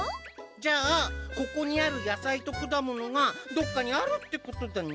じゃあここにある野菜と果物がどっかにあるってことだね。